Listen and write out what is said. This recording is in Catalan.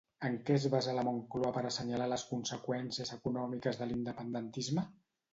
En què es basa la Moncloa per assenyalar les conseqüències econòmiques de l'independentisme?